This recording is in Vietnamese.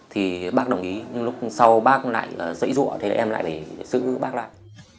thì bác đồng ý nhưng lúc sau bác lại dậy ruộng thì em lại phải giữ bác lại